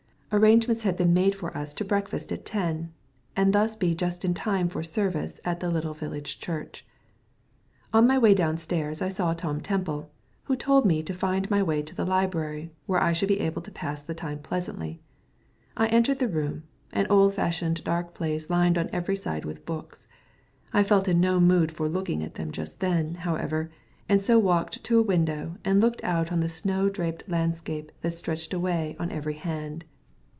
Arrangements had been made for us to breakfast at ten, and thus be just in time for service at the little village church. On my way down stairs I saw Tom Temple, who told me to find my way to the library, where I should be able to pass the time pleasantly. I entered the room, an old fashioned dark place lined on every side with books. I felt in no mood for looking at them just then, however, and so walked to a window and looked out on the snow draped landscape that stretched away on every hand.